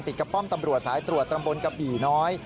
กับป้อมตำรวจสายตรวจตำบลกะบี่น้อย